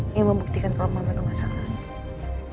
ini membuktikan kalau mama gak masalah